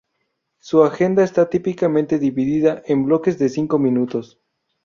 Su agenda está típicamente dividida en bloques de cinco minutos.